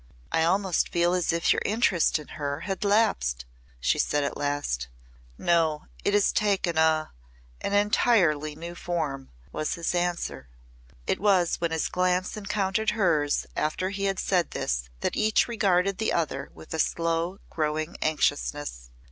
"I almost feel as if your interest in her had lapsed," she said at last. "No. It has taken a an entirely new form," was his answer. It was when his glance encountered hers after he said this that each regarded the other with a slow growing anxiousness.